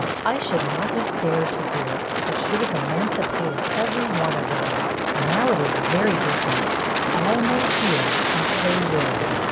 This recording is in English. I should not have dared to do it, but should have emancipated every one of them. Now, it is very different; all may hear if they will.'